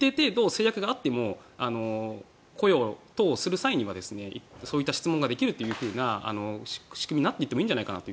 制限があっても雇用等をする際にはそういった質問ができるという仕組みになっていってもいいんじゃないかと。